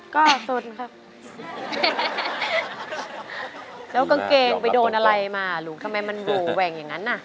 ก็สนครับแล้วกางเกงไปโดนอะไรมาหนูทำไมมันโหวแหว่งอย่างนั้นน่ะ